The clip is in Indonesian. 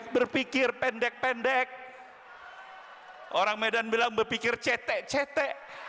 berpikir pendek pendek orang medan bilang berpikir cete cete